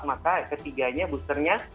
maka ketiganya boosternya